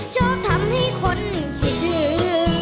ชอบทำให้คนคิดถึง